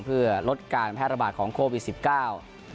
เพื่อลดการแพร่ระบาดของโควิดสิบเก้า